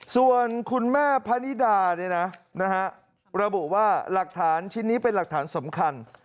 ส่วนคุณแม่พะนิดาระบุว่าหลักฐานชิ้นนี้เป็นหลักฐานสำคัญ